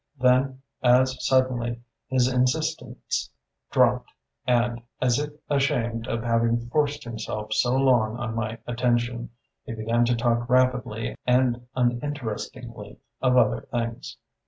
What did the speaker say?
Then, as suddenly, his insistence dropped and, as if ashamed of having forced himself so long on my attention, he began to talk rapidly and uninterestingly of other things.